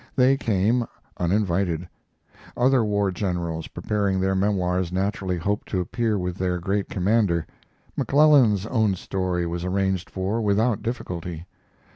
They came uninvited. Other war generals preparing their memoirs naturally hoped to appear with their great commander. McClellan's Own Story was arranged for without difficulty.